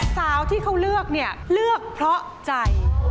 สาวที่เขาเลือกเนี่ยเลือกเพราะใจ